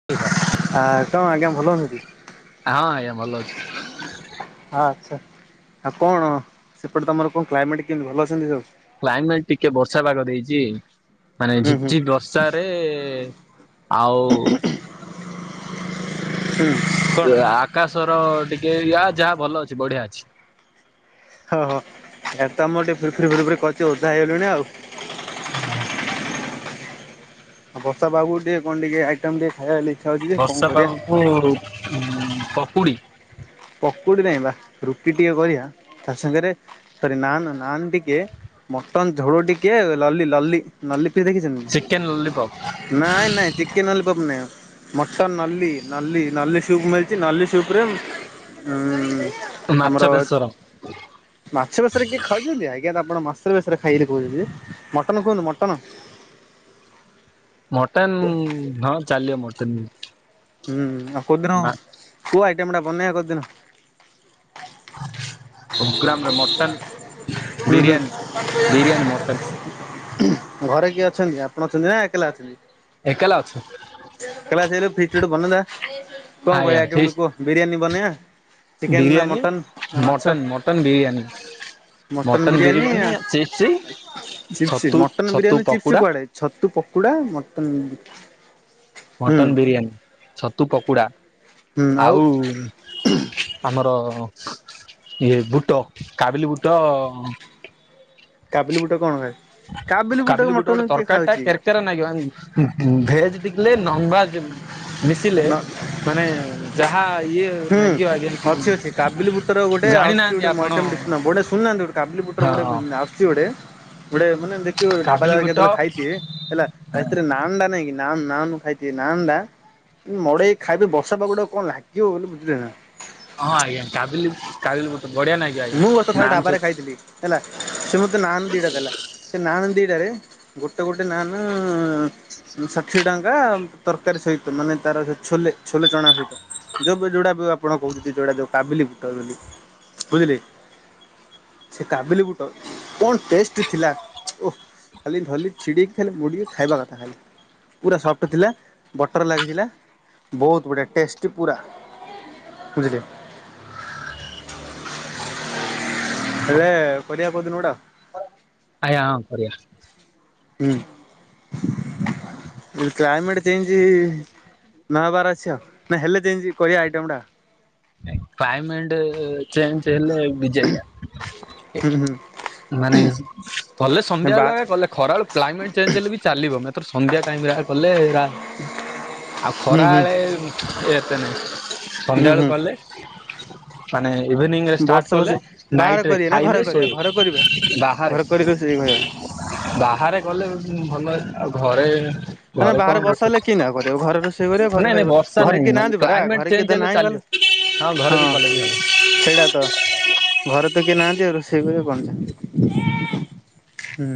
[unintelligible] ହା ତ! ! ! ! ! ! ! ! ! ! ଭଲ ଏମିତି। ଆଜ୍ଞା ଭଲ ଅଛି ହଁ ଆଚ୍ଛା, ଆଉ କଣ ସେପଟେ ତୋମର କଣ କ୍ଲାଇମେଟ୍ କେମିତି ଭଲ ଅଛନ୍ତି ସବୁ। କ୍ଲାଇମେଟ୍ ଟିକେ ବର୍ଷା ପାାଗ ଦେଇଚି। ମାନେ ହୁଁ ଝିପ୍ ହୁଁ ଝିପ୍ ବର୍ଷ ଷାରେ ଆଉ ହୁଁ କଣ ସେ ଆକାଶର ଟିକେ ୟା ଯାହା ଭଲ ଅଛି, ବଢିଆ ଅଛି। ହୋ, ହୋ ଏ ତ ଆମର ଟିକେ ଫିରି ଫିରି ଫିରି କରିଛି ଓଦା ହେଇଗଲିଣି ଆଉ। ହଁ। ଆ, ବର୍ଷା ପାଗକୁ ଟିକେ କଣ ଟିକେ ଆଇଟମ୍ ଟିକେ ଖାଇବା ହେଲି। ବର୍ଷା ପାଗକୁ ଉଁ, ପକୁଡ଼ି। ପକୁଡ଼ି ନାହିଁ ବା, ରୁଟି ଟିକେ କରିବା ତା ସାଙ୍ଗରେ ସରି ନାନ୍ ନାନ୍ ଟିକେ ମଟନ୍ ଝୋଳ ଟିକିଏ ଲଲି ଲଲି ନଲି ଫିର୍ ଦେଖି ଥିନ୍ ଚିକେନ ଲଲିପପ ନାଇଁ ନାଇଁ ଚିକେନ୍ ନଲିପପ୍ ନାଇହ, ମଟନ୍ ନଲି ନଲି ନଲି ସୁପ୍ ମିଳିଚି ନଲି ସୁପୂ ରେ ଉଁ, ହୁଁ, ମାଛ ଆମର ବେସର ମାଛ ବେଶରେ କିଏ ଖାଉଛନ୍ତି ଆଜ୍ଞା ତ ଆପଣ ମାସ ବେଶରେ ଖାଇ ବୋଲି କହୁଛନ୍ତି ଯେ। ମଟନ୍ କୁହନ୍ତୁ ମଟନ୍। ମଟନ୍ ହଁ ଚାଲିବ ମଟନ୍ ବି। ହୁଁ, ଆଉ କୋଉଦିନ କୋଉ ଆଇଟମ୍ ଟା ବନେଇବା କୋଉଦିନ? ପଗ୍ରାମରେ ମଟନ୍ ହୁଁ, ହୁଁ। ମଟନ ଘରେ କିଏ ଅଛନ୍ତି ଆପଣ ଅଛନ୍ତି ନା ଏକଲା ଅଛନ୍ତି? ଏକେଲା ଅଛୁ। ଏକଲା ଅଛି ବୋଲି ଫିଷ୍ଟ ଗୋଟେ ବନେଇଲେ କଣ କରିବା ଆଜ୍ଞା ଆଇଟିମ୍ ଫିସ୍ ଗୁଟେ କୁହ ବିରିୟାନୀ ବନେଇବା ଚିକେନ୍ ନା ମଟନ୍ ନା ମାଛ? ଟନ୍ ବିରିୟାନୀ। ମଟନ୍ ବିରିୟାନୀ, ଚିପ୍ସି, ଚିପ୍ସ ଛତୁ ମଟନ ଛତୁ ବିରିୟାନୀ ଚିପ୍ସ ପୋକୁଡା। କୁଆଡେ ଛତୁ ପକୁଡ଼ା ମଟନ୍ [inaudible] ମଟନ୍ ବିରିୟାନୀ, ଛତୁ ପକୁଡ଼ା ଆଉ ଆମର ଇଏ ବୁଟ କାବିଲି ବୁଟ କାବିଲି ବୁଟ କଣ [unintelligible] ବୁଟକୁ କାବିଲି ବୁଟ ଗୋଟେ ମଟନ କିଏ ତରକାରୀ ଟା ଖାଉଛି କେରକେରା ନାଗିମ ଆମକୁ। ଉଁ, ହୁଁ, ଭେଜ୍ ଟିକଲେ ନଭାଜ ମିଶିଲେ ନ ମାନେ ଯାହା ଇଏ ହୁଁ, ନାଗିବ ଆଜ୍ଞା ଅଛି ଅଛି କାବିଲି ବୁଟର ଗୁଟେ ଆସଚୁ ଜାଣିନାହାନ୍ତି ଗୁଟେ ଆପଣ ମଇଟମ ଟେ ଶୁଣ ବୋଇଲଃ ଶୁଣ ନାହାନ୍ତି ଗୁଟେ କାବୁଲି ବୁଟର ହଁ ଗୋଟେ [unintelligible] ଆସ ଛି ଗୁଟେ, ଗୁଟେ ମାନେ ଦେଖିଥିବେ କେବେ ଢାବା କାବିଲି ଜାଗାରେ ରେ ବୁଟ କେତେବେଳେ ଖାଇଥିବେ ହେଲା ତା ଭିତରେ ନାନ୍ ଟା ନାଇଁ କି ନାନ୍ ନାନୁ ଖାଇଥିବେ ନାନ୍ ଟା ମଡେଇକି ଖାଇବେ ବର୍ଷା ପାଗ ଟାକୁ କଣ ଲାଗିବ ବୋଲି ବୁଝିଲେ ନା। ହଁ ଆଜ୍ଞା କାବିଲି କାବିଲି ବୁଟ ବଢିଆ ନାଗ ମୁଁ ଗତ ଥର ଢାବାରେ ଖାଇଥିଲି ହେଲା, ସେ ମୋତେ ନାନ୍ ଦିଟା ଦେଲା, ସେ ନାନ୍ ଦିଟା ରେ ଗୋଟେ ଗୋଟେ ନାନ ଉଁ, ଷାଠିଏ ଟଙ୍କା ତରକାରୀ ସହିତ ମାନେ ତାର ସେ ଛୋଲେ ଛୋଲେ ଚଣା ସହିତ। ଯୋଉ ଯୋଉଟା ବି ଆପଣ କହୁଛନ୍ତି ଯୋଉଟା ଯୋଉ କାବିଲି ବୁଟ ବୋଲି। ବୁଝିଲେ, ସେ କାବିଲି ବୁଟ କଣ ଟେଷ୍ଟ ଥିଲା ଓଃ ଖାଲି ଧରଲି ଛିଡ଼େଇକି ଖାଲି ମୁଡ଼ିକି ଖାଇବା କଥା ଖାଲି। ପୁରା ସଫ୍ଟ ଥିଲା, ବଟର୍ ଲାଗିଥିଲା, ବହୁତ ବଢ଼ିଆ ଟେଷ୍ଟି ପୁରା। ବୁଝିଲେ? ହେଲେ କରିଆ କୋଉଦିନ ଗୋଟେ? ଆଜ୍ଞାଁ ହଁ କରିବା। ହଁ କ୍ଲାଇମେଟ ଚେଞ୍ଚେ ହେଇଛି। ନହବାର ଅଛି ଆ ନା ହେଲେ ଚେଞ୍ଜ କରିବା ଆଇଟମ୍ ଟା। କ୍ଲାଇମେଟ୍ ଚେଞ୍ଜ ହେଲେ ବିଜାରିଆ ହୁଁ ହୁଁ ମାନେ କଲେ ବା ସନ୍ଧ୍ୟାବେେଳ କଲେ ଖରାବେଳେ କ୍ଲାଇମେଟ ଚେଞ୍ଜ ହେଲେ ବି ଚାଲିବ ଏଥର ସନ୍ଧ୍ୟା ଟାଇମରେ କଲେ ହେରା ଆଉ ହୁଁ ଖରା ହୁଁ ବେଳେ ଇଏ ଏତେ ନାଇଁ ହୁଁ ସନ୍ଧ୍ୟାବେଳୁ ହୁଁ କଲେ ମାନେ ଇଭିନିଂ ରେ ବସ ଷ୍ଟାର୍ଟ ବସ କଲେ ବାହାରେ ନାଇଟରେ କରିବା ଖାଇଲେ ଶୋଇବେ ବାହାରେ। କରିଦ ସେ କହିବା। ବାହାରେ କଲେ ଭଲ ଆଉ ଘରେ ନା ଘରେ କଣ ବାହାରେ ବସା ହେଲେ ବସୁଛୁ କି ନ କର ଘର ରୋଷେଇ କରିବା ଘର ନାଇଁ ନାଇଁ ଖାଇବା ବର୍ଷା ଘରେ ନାଇଁ କି ମାନେ ନାଁଥିବେରା କ୍ଲାଇମେଟ ଘରେ ଚେଞ୍ଜ କିଏ ତ ହେଲେ ନାହିଁ ଚାଲିବ। ହଁ ଗଲେ। ଘରେ ବି କଲେ ବି ହବ ହଁ। ସେଇଟା ତ ଘରେ ତ କିଏ ନାହାନ୍ତି ଆଉ ରୋଷେଇ କଣ ଯେ? ହୁଁ।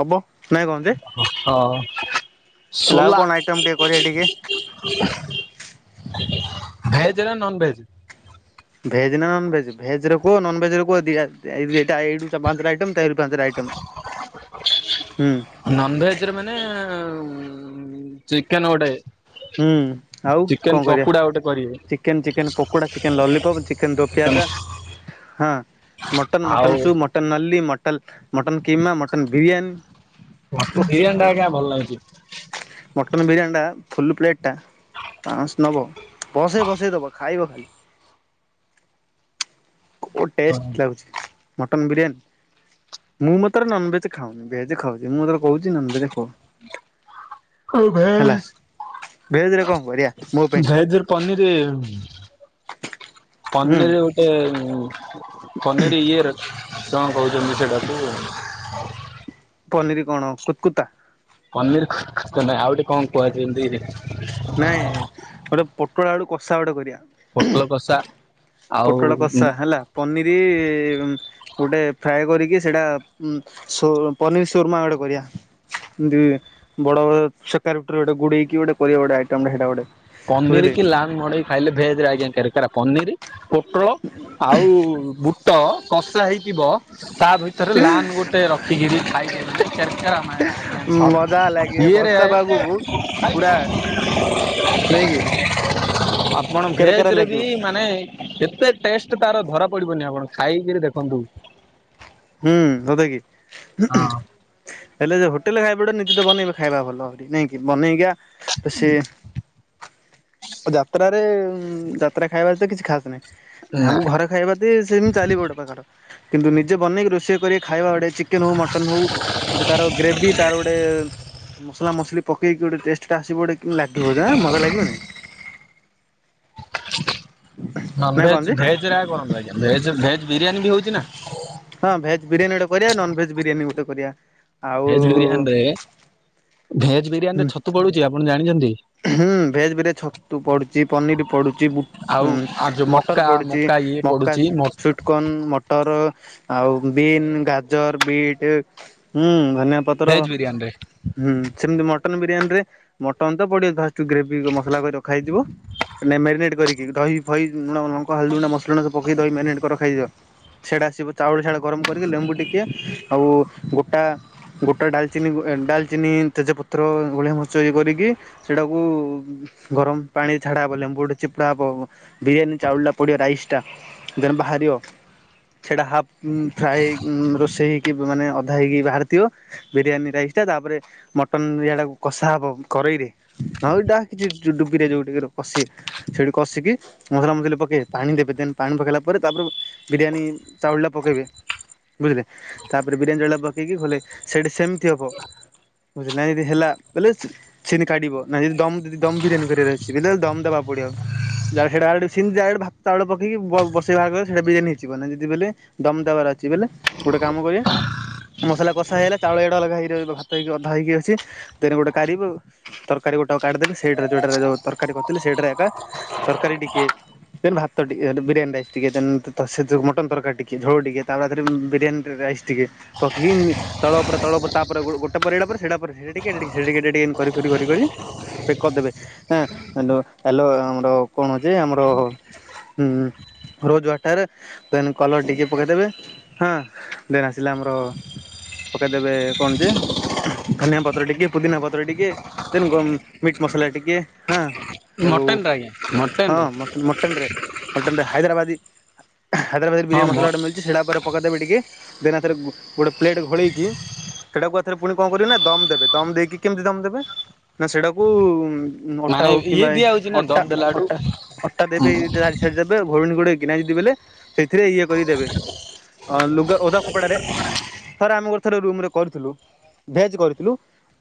ହବ ନାଇଁ କଣ ଯେ? ହଁ। ହେଲା ଆଉ କଣ ଆଇଟମ୍ ଟିକେ କରିବା ଟିକେ? ଭେଜ୍ ନା ନନ୍ ଭେଜ୍? ଭେଜ୍ ନା ନନ୍ ଭେଜ୍ ଭେଜ୍ ରେ କୁହ ନନ୍ ଭେଜ୍ ରେ କୁହ ଦିଟା ଏଇ ଦିଟା ଏଇଠୁ ପାଞ୍ଚଟା ଆଇଟମ୍ ତେର୍ ରୁ ପାଞ୍ଚଟା ଆଇଇମ୍। ହୁଁ। ନନ୍ ଭେଜ୍ ରେ ମାନେ ଚିକେନ୍ ଗୋଟେ। ହୁଁ ଆଉ କଁ କରିଆ? ଆଉ ଗୋଟେ କରିବେ। Chicken chicken pakoda chicken lollipop chicken dopiaza. ହଁ ମଟନ୍ ଆଉ ମଟନ୍ ସୁପ୍ ମ ମଟନ୍ ନଲ୍ଲି ମଟଲ୍ mutton keema mutton biryani mutton biryani ଟା ଆଜ୍ଞା ଭଲ୍ ଲାଗୁଚି। ମଟନ୍ ବିରିୟାନୀଟା ଫୁଲୁ ପ୍ଲେଟ୍ ଟା ପାଁ ଶହ ନବ ବସରେ ବସେଇ ଦବ। ଖାଇବ ଖାଲି। ବହୁତ୍ ଟେଷ୍ଟ୍ ଲାଗୁଚି ମଟନ୍ ବିରିୟାନୀ। ମୁଁ ମତରେ ନନ୍ ଭେଜ୍ ଖାଉନି ଭେଜ୍ ଖାଉଚି ମୁଁ ଯେତେବେଳେ କହୁଚି ନନ୍ ଭେଜ୍ ଖାଉନି। ଆଉ ଭେଶ୍ ଭେଜ ରେ କଣ କରିବା ମୋ ପାଇଁ ଭେଜରେ ପନିରି ଖାଇବୁ? ହୁଁ ପନିରି ହଉଚି। ଗୋଟେ ପନିର ଇଏ ରେ କଁ କହୁଚନ୍ତି ସେଟାକୁ ପନିରି କଣ କୁତ୍ କୁତା। ପନିରି ଖୁତ୍ ଖୁତ୍ ନାଇ ଆଉ ଟିକେ କଁ କୁହାଯାଏ ବି ନାଇଁ ଗୋଟେ ପୋଟଳ ଆଳୁ କଷା ଗୋଟେ କରିବା। ପୋଟଳ କସା। ପୋଟଳ କଷା ହେଲା ପନିରି ଗୋଟେ ଫ୍ରାଏ କରିକି ସେଇଟା ଉ ସୁ ପନିର୍ ସୁରମା ଗୋଟେ କରିବା। ଦୁଇ ବଡ ବଡ ଛୋ କାରବେଟର ଗୋଟେ ଗୁଡେଇକି ଗୋଟେ କରିବ ଗୋଟେ ଆଇଟମ ଟେ ଗୋଟେ ପନିରି ବୁଝିଲେ କି ଲାଲ୍ ମଡେଇ ଖାଇଲେ ଭେଜ୍ ରେ ଆଜ୍ଞା କେର୍ କେରା ପନିରି ପୋଟଳ ଆଉ ବୁଟ କଷା ହେଇଥିବ ତା ଭି ଭିତରେ ଲାନ୍ ଗୋଟେ ରଖିକିରି ଖାଇଦେଲି ନାଇଁ କେର୍ କେରା ମାୟା। ମଜା [unintelligible] ଲାଗେ କିଏ ରେ? ବର୍ଷା ପାଗକୁ ପୁରା ନାଇଁକି [unintelligible] ଆପଣ କେରକେରା ଭେଜ୍ ରେ ବି ଲାଗିବ ମାନେ ଏତେ ଟେଷ୍ଟ୍ ତାର ଧରା ପଡିବନି ଆପଣ, ଖାଇକିରି ଦେଖନ୍ତୁ। ହୁଁ, ସତେ କିି? ହୁଁ। ହଁ ହେଲେ ଯେ ହୋଟେଲ୍ ରେ ଖାଇବା ପଡ଼ିବ, ନିତି ତ ବନେଇ ଖାଇବା ଭଲ, ନାଇଁକି? ବନେଇ ଗା ତ, ସେ ଯାତ୍ରାରେ, ଯାତ୍ରା ଖାଇବା ଏତେ କିଛି ଖାସ୍ ନାହିଁ, ନା ଆମକୁ ଘରେ ଖାଇବା ତି ସେମତି ଚାଲିବ ଗୋଟେ ପାଖର, କିନ୍ତୁ ନି ନିଜେ ବନେଇକି ରୋଷେଇ କରିକି ଖାଇବା ଗୋଟେ, ଚିକେନ୍ ହଉ, ମଟନ୍ ହଉ, ଗୋଟେ ତାର ଗ୍ରେଭି, ତାର ଗୋଟେ ମସଲା ମସଲି ପକେଇକି ଗୋଟେ ଟେଷ୍ଟ୍ ଟା ଆସିବ, ଗୋଟେ କିମିତି ଲାଗିବ, ଆଁ ମଜା ଲାଗିବନି‌। ହଁ, ନା କଣ ଭେଜ୍, ଯେ ଭେଜ୍ ରେ ଆଉ କଣ କରିବା? ଭେଜ୍ ରେ ଭେଜ ବିରିୟାନୀ ବି ହଉଚି ନା। ହଁ ଭେଜ୍ ବିରିୟାନୀ ଗୋଟେ କରିବା। ନନ୍ ଭେଜ୍ ବିରିୟାନୀ ଗୋଟେ କରିବା। ଭେଜ୍ ବିରିୟାନୀ ଆଉ ରେ ଭେଜ୍ ବିରିୟାନୀ ରେ ଛତୁ ପଡୁଚି, ଆପଣ ଜାଣିଚନ୍ତି? ହୁଁ, ଭେଜ୍ ବିରେ ଛତୁ ପଡୁଚି, ପନିରି ପଡୁଚି, ବୁ ଆଉ ଉଁ ଆଉ ଯୋଉ ମଟର ମକା ପଡୁଚି। ମକା ଇଏ ମକାସ୍, ପଡୁଛି ସୁୁଇଟ୍ କନ୍, ମ ମଟର ଆଉ ବିନ୍, ଗାଜର୍, ବିଟ୍, ହୁଁ ଧନିଆ ପତ୍ର। ଭେଜ୍ ବିରିୟାନୀ ରେ। ହୁଁ ସେମତି ମଟନ୍ ବିରିୟାନୀ ରେ, ମଟନ୍ ତ ପଡିବ ଫାଷ୍ଟ୍‌ରୁ ଗ୍ରେଭି ମସଲା କରି ରଖା ହେଇଥିବ। ନାଇ ମେଗେନେଟ୍ କରିକି, ଦହି ଫହି, ଲୁଣ ଲଙ୍କା, ହଳଦୀ ଗୁଣ୍ଡ, ମସଲା ଗୁଡା ପକେଇ ଦହି ମ୍ୟାଗ୍‌ନେଟ୍ କରି ରଖା ଯାଇଥିବ। ସିଆଡେ ଆସିବୁ ଚାଉଳ ସିଆଡେ ଗରମ କରିକି ଲେମ୍ବୁ ଟିକେ ଆଉ ଗୋଟା ଗୋଟା ଡାଲ୍‌ଚିନି କୁ ଏ, ଡାଲ୍‌ଚିନି, ତେଜପତ୍ର, ଗୋଳିଆ ମରିଚ ଇଏ କରିକି ସେଇଟାକୁ ଗରମ ପାଣି ଛାଡା ହବ, ଲେମ୍ବୁ ଗୋଟେ ଚିପୁଡା ହବ। ବିରିୟାନୀ ଚାଉଳ ଟା ପଡିବ, ରାଇସ ଟା, ଦେନ ବାହାରିବ ସେଟା ହାଫ୍ ଫ୍ରାଏ ରୋଷେଇ ହେଇକି, ମାନେ ଅଧା ହେଇକି ବାହାରିଥିବ ବିରିୟାନୀ ରାଇସ୍ ଟା, ତାପରେ ମଟନ ଇଆଡ଼େ କଷା ହବ, କରେଇରେ, ନଏଲେ ଡୁବିରେ ଯୋଉ ପସେ। ସେଇଠି କଷିକି, ମସଲା ମସଲି ପକେଇ, ପାଣି ଦେବେ, ଦେନ ପାଣି ପକେଇଲା ପରେ ତାପରେ ବିରିୟାନୀ ଚାଉଳ ଟା ପକେଇବେ। ବୁଝିଲେ, ତାପରେ ବିରିୟାନୀ ଚାଉଳ ଟା ପକେଇକି ଘୋଲେ, ସେଇଠି ସେମିତି ହବ। ବୁଝିଲେ, ନାଇ ଯଦି ହେଲା ବଲେ ସେମିତି କାଢିବ, ନାଇ ଯଦି ଦମ୍, ଯଦି ଦମ୍ ବିରିଆନି କରିବାର ଅଛି, [unintelligible] ଦମ୍ ଦବାକୁ ପଡିବ। [unintelligible] ବେଲେ, ଦମ୍ ଦେବାର ଅଛି ବେଲେ, ଗୋଟେ କାମ କରିବା ମସଲା କଷା ହେଇଗଲା, ଚାଉଳ ଏଇଟା ଅଲଗା ହେଇ ରହିବ, ଭାତ ଅଧା ହେଇକି ଅଛି, ଦେନ୍ ଗୋଟେ କାଢିବ ତରକାରୀ ଗୋଟାକୁ କାଢିଦେବେ, ସେଇଟାରେ ଯୋଉଟାରେ ଯଉ ତରକାରୀ କରିଥିଲେ, ସେଇଟାରେ ଏବେ ତରକାରୀ ଟିକେ, ଦେନ୍ ଭାତ ଟିକେ, ବିରିୟାନୀ ରାଇସ, ଟିକେ ଦେନ୍ ସେ ଯୋଉ ମ ଟନ ତରକାରୀ ଟିକେ, ଝୋଳ ଟିକେ, ତାରେ ବିରିୟାନୀରେ ରାଇସ୍ ଟିକେ, ପକେଇ ତଳ ଉପର, ତଳ ଉପର, ତାପରେ ଗୋଟା ପଡ଼ିଗଲା ପରେ, ସେଟା ପରେ ସେଟା ଟିକେ, ଏଟା ଟିକେ, ସେଟା ଟିକେ ଏଟା ଟିକେ ଏମିତି, କରି କରି କରି କରି କରିଦେବେ, ଏଁ ହାଲୋ, ଆମର କଣ ଯେ, ଆମର ହୁଁ, ରୋଜୱାଟର ଦେନ କଲର ଟିକେ ପକେଇଦେବେ, ହଁ, ଦେନ୍ ଆସିଲା ଆମର ପକେଇଦବେ କଣ ଯେ ଧନିଆ ପତ୍ର ଟିକେ, ପୁଦିନା ପତ୍ର ଟିକେ, ଦେନ୍ ଗ ମିଟ୍ ମସଲା ଟିକେ, ହଁ। ଆଉ, ମଟନ ରେ ଆଜ୍ଞା ମଟନ ହଁ ରେ। ମଟନ୍ ମଟନରେ, ମଟନରେ ହାଇଦ୍ରାବାଦୀ ହାଇଦ୍ରାବାଦୀ ହଁ ବିରିୟାନୀ ମ ମସଲା ଗୋଟେ ମିଳୁଚି, ସେଟା ଉପରେ ପକଦେବେ ଟିକେ ଦେନ୍ [unintelligible] ଗୋଟେ ପ୍ଲେଟ୍ ଘୋଡେଇକି ସେଟାକୁ ଆଉଥରେ ପୁଣି କଣ କରିବେନା ଦମ୍ ଦେବେ, ଦମ୍ ଦେଇକି କେମ୍ତି ଦମ୍ ଦେବେ ନା ସେଟାକୁ ଉଁ ଅଟା ମାନେ ହଉ ଇଏ କିମ୍ବା ଦିଆ ହଉଛି ନା ଦମ ଦେଲା ଆଡୁ ଅଟା-ଅଟା-ଅଟା ଦେବେ [unintelligible] [inaudible] ସେଇଥିରେ ଇଏ କରିକି ଦେବେ, ଅଁ ଲୁଗା ଓଦା କପଡାରେ ଥରେ ଆମେ ଗୋଟେ ଥରେ ରୁମ୍ ରେ କରିଥିଲୁ। ଭେଜ୍ କରିଥିଲୁ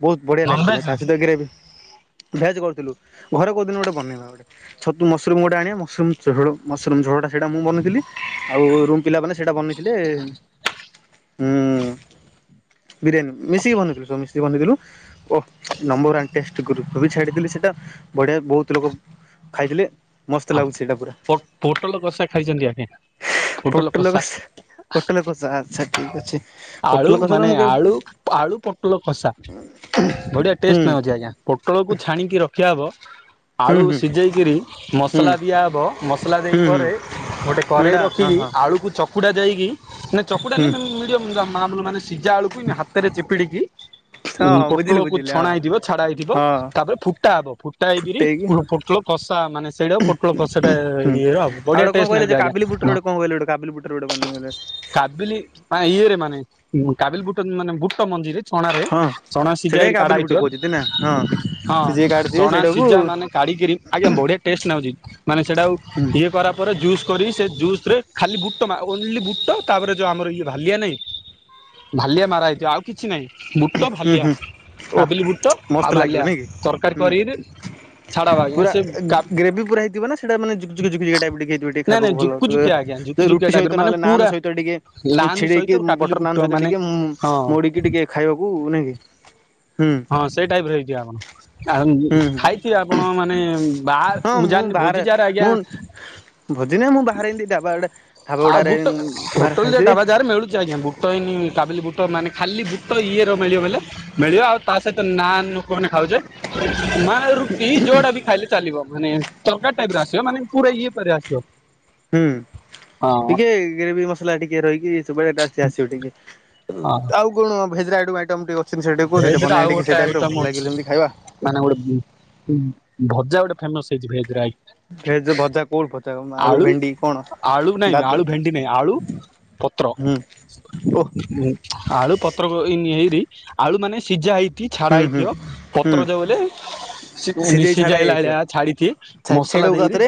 ବହୁତ୍ ବଢ଼ିଆ ନନଭେଜ୍ ଲାଗିଥିଲା, ନା? ତା ସହିତ ଗ୍ରେଭ୍ ଭେଜ୍ କରିଥିଲୁ, ଘରେ କୋଉଦିନ ଗୋଟେ ବନେଇବା। ଛତୁ ମସରୁମ୍ ଗୋଟେ ଆଣିଆ, ମସରୁମ୍ ଝୋଳ ମସରୁମ୍ ଝୋଳଟା ସେଇଟା ମୁଁ ବନେଇ ଥିଲି ଆଉ ରୁମ୍ ପିଲା ମାନେ ସେଇଟା ବନେଇଥିଲେ ହୁଁ। ବିରିୟାନୀ ମିଶିକି ବନେଇଥିଲୁ ସବୁ ମିଶିକି ବନେଇଥିଲୁ। ଓହ ନମ୍ୱର୍ ୱାନ୍ ଟେଷ୍ଟ ଗ୍ରୁପ୍ ରେ ବି ଛାଡିଦେଲି ସେଟା ବଢିଆ ବହୁତ୍ ଲୋକ ଖାଇଥିଲେ, ମସ୍ତ ଆଉ ଲାଗୁଚି ସେଇଟା ପୁରା। ପୋ ପୋଟଲ କଷା ଖାଇଛନ୍ତି ଆଜ୍ଞା? ପୋଟଲ କଷା ପୋଟଲ କଷା ଆଚ୍ଛା ଠିକ୍ ଅଛି। ଆଳୁ ପୋଟଲ କଷା ତ ମାନେ ମୁଁ କେବେ ଆଳୁ-ଆଳୁ ପୋଟଲ କଷା ବଢିଆ ଟେଷ୍ଟ ହୁଁ ନାଗୁଚି ଆଜ୍ଞା। ପୋଟଳକୁ ଛାଣିକି ରଖିଆହବ, ହୁଁ ଆଳୁ ହୁଁ ସିଜେଇକିରି ମସଲା ହୁଁ ଦିଆହବ, ମସଲା ହୁଁ ଦେଇପରେ ଗୋଟେ ହୁଁ କରେଇ ଏଇଟା ହଁ ରଖିକି ହଁ ଆଳୁକୁ ଚ କୁଟା ଯାଇକି ମାନେ ଚକୁଡା ହୁଁ ନାଇଁ ମିଡିଅମ୍ ମାନେ ସିଜା ଆଳୁକୁ ହାତେରେ ଚିପିଡିକି ଉ ହଁ ହଁ ପୋଟଳ ବୁଝିଲି କୁ ବୁଝିଲି ଛଣା ହଁ। ହେଇଥିବ ଛାଡ଼ା ହେଇଥିବ, ହଁ ତାପରେ ଫୁଟା ହବ ଫୁଟା ହେଇକିରି ଫୁଟେଇକି ପୋଟଳ କଷା ମାନେ ସେଇଟା ପୋଟଳ କଷା ଟା ହୁଁ ଇଏରେ ହବ, ବଢିଆ ଟେଷ୍ଟ ନାଗେ ଆଜ୍ଞା। [unintelligible] କାବୁଲି ବୋଟ [inaudible] କାବିଲି ଇଏରେ ମାନେ କାବିଲ୍ ବୁଟ ମାନେ ବୁଟ ମଞ୍ଜିରେ ଛଣାରେ ହଁ। ଚଣା ସିଜା ସେଇଟା ହିଁ ହେଇକି କାଢା କାବୁଲି ବୁଟ ହେଇଥିବ, କହୁଛନ୍ତି ନା ହଁ ହଁ ସେ ଯିଏ କାଟିଥିବେ ଚଣା ସେଇଟାକୁ ସିଜା ହୁଁ ମାନେ କାଢ଼ିକିରି ଆଜ୍ଞା ବଢ଼ିଆ ଟେଷ୍ଟେ ନାଗୁଚି ମାନେ ସେଇଟା ଆଉ ହୁଁ। ଇଏ କରାପରେ ଜୁସ୍ କରି ସେ ଜୁସ୍ ରେ ଖାଲି ବୁଟ ଓନ୍ଲି ବୁଟ ତାପରେ ଯେଉଁ ଆମର ଇଏ ଭାଲିଆ ନାହିଁ ଭାଲିଆ ମାରା ହେଇଥିବ ଆଉ କିଛି ନାହିଁ। ବୁଟ ଭାଲିଆ ହୁଁ ଓଃ କାବିଲି ବୁଟ ମସ୍ତ ଆଉ ଲାଗିବ ଭାଲିଆ ନାଇଁ କି? ତରକାରୀ ହୁଁ କରିକିରି ଛାଡ ଆଜ୍ଞା ପୁରା ସେ କା ଗ୍ରେଭି ପୁରା ହେଇଥିବ ନା ସେଇଟା ମାନେ ଜୁକ୍-ଜୁକ୍-ଜୁକ୍ ଜୁକିଆ ଟାଇପ୍ ର ଟିକେ ନାଇଁ ନାଇଁ ଖାଇବାକୁ ଝୁକୁ ଭଲ। ଝୁକିଆ ଆଜ୍ଞା ଝୁକି ଯଦି ଝୁକିଆ ରୁଟି ଟାଇପ ସହିତ ର ଟିକେ ମାନେ ନହେଲେ ନାନ୍ ପୁରା ସହିତ ଟିକେ ଲାନ୍ ଛିଡେଇକି ସହିତ କାବିଲି ବଟର୍ ବୁଟ ନାନ୍ ସହିତ ମାନେ ଟିକେ ହଁ ମୋଡିକି ଟିକେ ଖାଇବାକୁ ନାଇଁ କି। ହୁଁ। ହଁ ସେଇ ଟାଇପ୍ର [unintelligible] ହୁଁ ହୁଁ ଖାଇଥିବେ ଆପଣ ମାନେ ବା ହଁ ମୁଁ ଜାଣିନି ଭୋଜି ବାହାରେ ଯହାର ଆଜ୍ଞା ମୁଁ ଭୋଜି ନାହିଁ ମୁଁ ବାହାରେ ଏମିତି ଢାବା ଗୁଡା ଢାବା ଆଉ ଗୁଡାରେ ବୁଟ ବାହାରେ ହୋଟେଲ୍ [unintelligible] ଖାଇଥିଲି ଢାବା [unintelligible] ମିଳୁଚି ଆଜ୍ଞା, ବୁ ବୁଟଇନି କାବିଲି ବୁଟ ମାନେ ଖାଲି ବୁଟ ଇଏର ମିଳିବ ଵେଇଲେ ମିଳିବ ଆଉ ତା ସହିତ ନାନ୍ ଲୋକମାନେ ଖାଉଚେ, ନାନ୍ ରୁଟି ଯୋଉଡା ବି ଖାଇଲେ ଚାଲିବ ମାନେ ତରକାରି ଟାଇପ୍ ର ଆସିବ ମାନେ ପୁରା ଇଏ [unintelligible] ଆସିବ। ହୁଁ ହଁ ଟିକେ ଗ୍ରେଭି ମସଲା ଟିକେ ରହିକି [unintelligible] ଆସିବ ଟିକେ, ହଁ ଆଉ କଣ [unintelligible] ଆଇଟମ୍ ଟିକେ ସେଟା କୁହ ଭେଜ ସେଟା ର ଆଉ ବନେଇବା ଟିକେ ଗୋଟେ ସେଇ ଟାଇପ୍ ର ଆଇଟମ ଭଲ ଲାଗେ ଅଛି ଯେମତି ଖାଇବା। ମାନେ ଗୋଟେ ଭଜା ଗୋଟେ ଫେମସ୍ ହେଇଚି ଭେଜ୍ ର ଆଜ୍ଞା। ଭେଜ ଭଜା କୋଉଟି [unintelligible] ଆଳୁ, ଭେଣ୍ଡି, କଣ ଆଳୁ ନାଇଁ ଗାଜର ଆଳୁ ଭେଣ୍ଡି ନାଇଁ ଆଳୁ ପତ୍ର ହୁଁ, ଓହ। ଆଳୁ ପତ୍ରକୋବି ହେଇରି ଆଳୁ ମାନେ ସିଝା ହେଇକି ଛାଡା ହୁଁ ହୁଁ ହେଇଥିବ। ହୁଁ ପତ୍ର ଯୋଉହେଲେ ସେ ସିଝେଇ ମିଶି ଛାଡା ଯାଇଲା ହେଇଯାଇଥିବ। ଛାଡି ମସଲା ସେଇଟାକୁ ଦେଇକି ଏକାଥରେ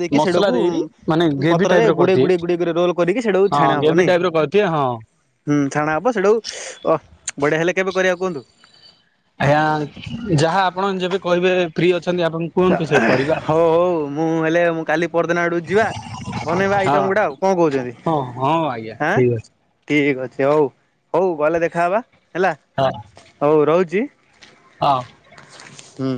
ଦେଇକି ମସଲା ସେଇଟାକୁ ଦେଇରି ମାନେ ଗ୍ରେଭି ପତ୍ରରେ ଟାଇପ ର ଗୁଡେଇ କରିଦିଏ ଗୁଡେଇ ଗୁଡେଇ ଗୁଡେଇ ରୋଲ କରିକି ସେଇଟାକୁ ହଁ ଛାଣା ହବ ଗ୍ରେଭି ନାଇଁ। ଟାଇପ ର କରି ଏତେ ହଁ। ହୁଁ ଛାଣା ହବ ସେଠାକୁ ଅହ ବଢିଆ ହେଲେ କେବେ କରିବା କୁହନ୍ତୁ? ଆଜ୍ଞା ଯାହା ଆପଣ ଯେବେ କହିବେ ଫି ଅଛନ୍ତି ଆପଣ କୁହନ୍ତୁ ସେବେ କରିବା। ହଉ ହଉ ମୁଁ ହେଲେ ମୁଁ କାଲି ପରଦିନ ଆଡକୁ ଯିବା। ବନେଇବା ହଁ। ଆଇଟମ ଗୁଡା ଆଉ କଣ କହୁଛନ୍ତି ହଁ ହଁ ଆଜ୍ଞା ଆଁ? ଠିକ ଅଛି ଠିକ ଅଛି ହଉ ହଉ ଗଲେ ଦେଖାହବା ହେଲା। ହଁ। ହଉ ରହୁଛି। ହଁ। ହୁଁ।